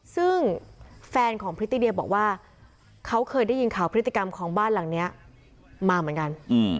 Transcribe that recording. ซึ่งแฟนของพริตติเดียบอกว่าเขาเคยได้ยินข่าวพฤติกรรมของบ้านหลังนี้มาเหมือนกัน